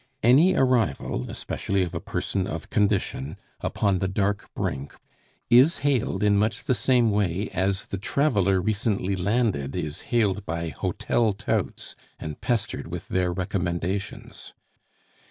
Any arrival, especially of a person of condition, upon the "dark brink," is hailed in much the same way as the traveler recently landed is hailed by hotel touts and pestered with their recommendations.